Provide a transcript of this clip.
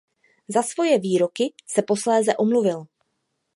Za svoje výroky se posléze omluvil.